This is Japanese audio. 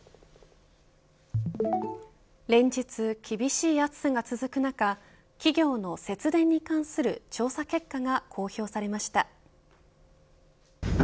連日、厳しい暑さが続く中企業の節電に関する調査結果が公表されました。